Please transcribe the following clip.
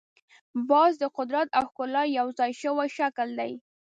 باز د قدرت او ښکلا یو ځای شوی شکل دی